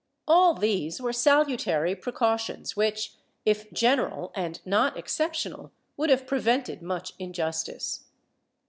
^ All these were salutary precautions which, if general and not exceptional, would have prevented much injustice.